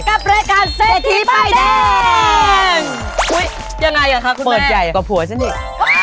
กับรายการเศรษฐีป้ายแดงอุ้ยยังไงอ่ะคะคุณเบิร์ตใหญ่กว่าผัวฉันอีก